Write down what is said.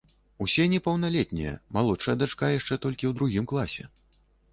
Усе непаўналетнія, малодшая дачка яшчэ толькі ў другім класе.